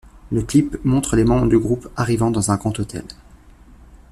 Le clip montre les membres du groupe arrivant dans un grand hôtel.